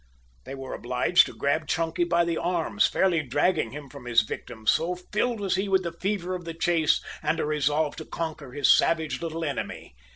They were obliged to grab Chunky by the arms, fairly dragging him from his victim, so filled was he with the fever of the chase and a resolve to conquer his savage little enemy.